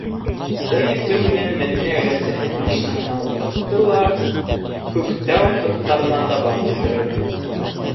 Сәй эсеү менән Мәҙинә өләсәһен машинаһына ултыртты ла Күктау һырттарына табан елдерҙе.